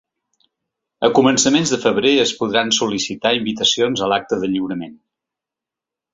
A començaments de febrer es podran sol·licitar invitacions a l’acte de lliurament.